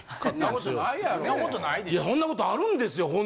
いやそんなことあるんですよ